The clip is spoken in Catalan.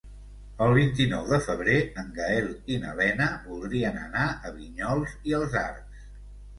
El vint-i-nou de febrer en Gaël i na Lena voldrien anar a Vinyols i els Arcs.